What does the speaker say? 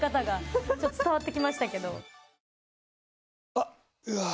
あっ、うわー。